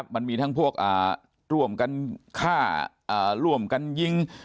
มันมีทั้งพวกร่วมกันฆ่าร่วมกันยิง